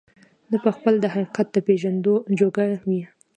نه په خپله د حقيقت د پېژندو جوگه وي،